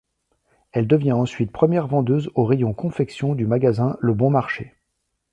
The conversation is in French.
Elle devient ensuite première vendeuse au rayon confection du magasin Le Bon marché.